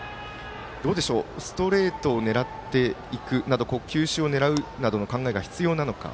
どうでしょうストレートを狙っていくなど球種を狙うなどの考えが必要なのか。